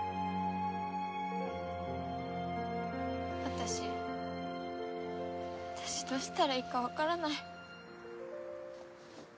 私私どうしたらいいかわからない。